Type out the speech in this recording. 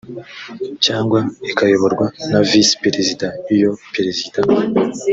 cyangwa ikayoborwa na visi perezida iyo perezida